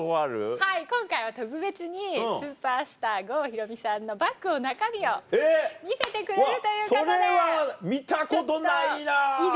はい今回は特別にスーパースター郷ひろみさんのバッグの中身を見せてくれるということで。